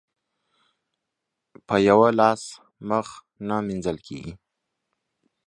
په يوه لاس مخ نه مينځل کېږي.